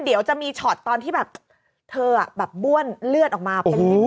เดี๋ยวจะมีช็อตตอนที่แบบเธอแบบบ้วนเลือดออกมาเป็นนิด